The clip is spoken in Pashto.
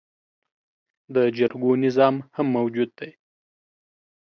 د جرګو نظام هم موجود دی